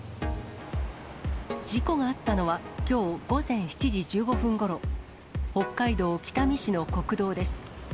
事故があったのは、きょう午前７時１５分ごろ、北海道北見市の国道です。